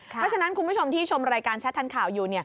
เพราะฉะนั้นคุณผู้ชมที่ชมรายการชัดทันข่าวอยู่